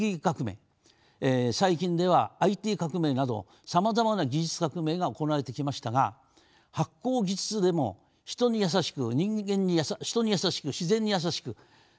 最近ではＩＴ革命などさまざまな技術革命が行われてきましたが発酵技術でも人に優しく自然に優しく地球に優しい技術革命